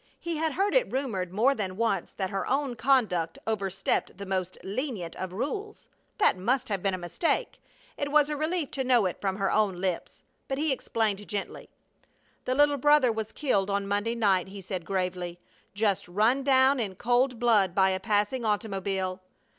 He had heard it rumored more than once that her own conduct overstepped the most lenient of rules. That must have been a mistake. It was a relief to know it from her own lips. But he explained, gently: "The little brother was killed on Monday night," he said, gravely. "Just run down in cold blood by a passing automobile."